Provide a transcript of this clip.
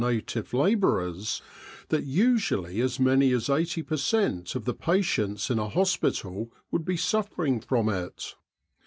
native labourers that usually as many as 80 per cent, of the patients in a hospital would be suffering from it.